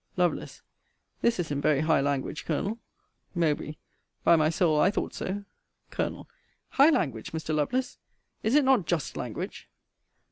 Lovel. This is in very high language, Colonel. Mowbr. By my soul, I thought so. Col. High language, Mr. Lovelace? Is it not just language?